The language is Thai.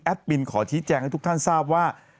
บินขอชี้แจงให้ทุกท่านทราบว่า